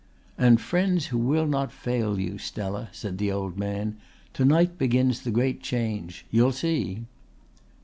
"And friends who will not fail you, Stella," said the old man. "To night begins the great change. You'll see."